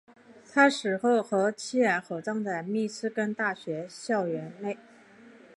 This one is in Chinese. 他死后和妻儿合葬在密歇根大学校园内。